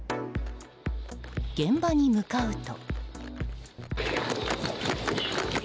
現場に向かうと。